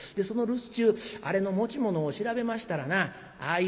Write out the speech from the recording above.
その留守中あれの持ち物を調べましたらなあ